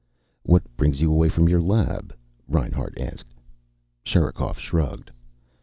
"What brings you away from your lab?" Reinhart asked. Sherikov shrugged.